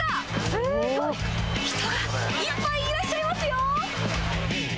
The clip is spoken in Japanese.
すっごい、人がいっぱいいらっしゃますよ。